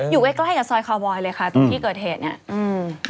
อยู่ไว้ใกล้กับซอยคอลวอยเลยค่ะที่เกิดเหตุนี้